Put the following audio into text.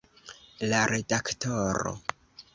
La redaktoro.